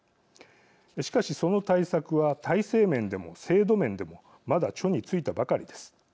しかし、その対策は体制面でも制度面でもまだ緒についたばかりです。